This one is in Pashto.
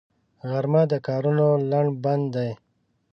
غرمه د کارونو لنډ بند دی